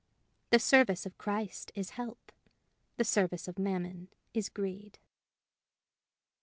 The service of Christ is help. The service of Mammon is greed.